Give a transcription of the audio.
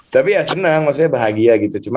tapi ya senang maksudnya bahagia gitu